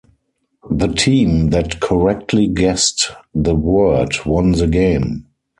The team that correctly guessed the word won the game.